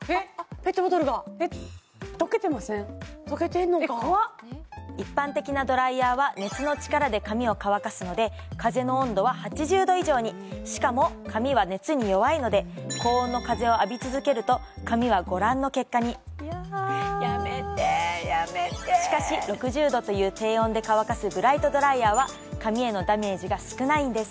ペットボトルがえっこわっ一般的なドライヤーは熱の力で髪を乾かすので風の温度は８０度以上にしかも髪は熱に弱いので高温の熱を浴び続けると髪はご覧の結果にいややめてやめてしかし６０度という低温で乾かすブライトドライヤーは髪へのダメージが少ないんです